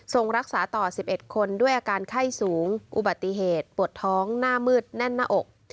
ส่งรักษาต่อ๑๑คนด้วยอาการไข้สูงอุบัติเหตุปวดท้องหน้ามืดแน่นหน้าอก